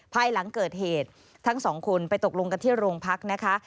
ภายหลังเกิดเหตุทั้งสองคนไปตกลงกันที่โรงพักนะคะ